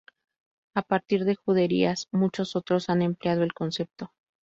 A partir de Juderías, muchos otros han empleado el concepto.